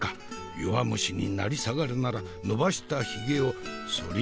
弱虫に成り下がるなら伸ばしたひげをそりんしゃい！